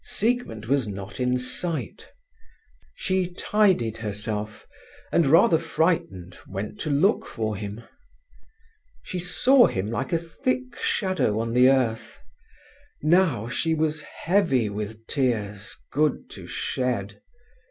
Siegmund was not in sight. She tidied herself, and rather frightened, went to look for him. She saw him like a thick shadow on the earth. Now she was heavy with tears good to shed.